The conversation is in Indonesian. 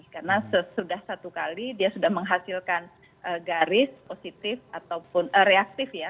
karena sudah satu kali dia sudah menghasilkan garis positif ataupun reaktif ya